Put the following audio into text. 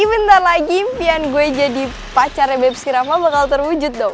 bentar lagi impian gue jadi pacarnya bepsy rama bakal terwujud dong